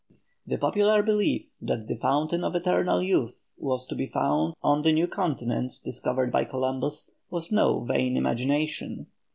The popular belief that the fountain of eternal youth was to be found on the new continent discovered by Columbus, was no vain imagination.